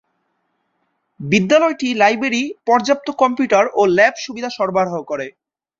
বিদ্যালয়টি লাইব্রেরী, পর্যাপ্ত কম্পিউটার ও ল্যাব সুবিধা সরবরাহ করে।